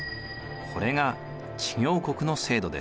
これが知行国の制度です。